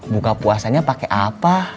buka puasanya pake apa